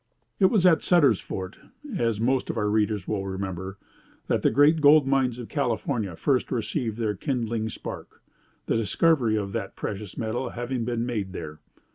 It was at Sutter's Fort, as most of our readers will remember, that the great gold mines of California first received their kindling spark, the discovery of that precious metal having been made there.